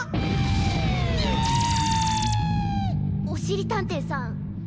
おしりたんていさん